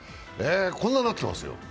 こんなんなってますよ。